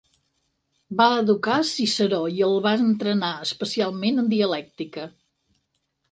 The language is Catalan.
Va educar a Ciceró i el va entrenar especialment en dialèctica.